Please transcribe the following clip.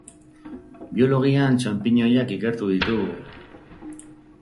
Biologian txanpiñoiak ikertu ditugu.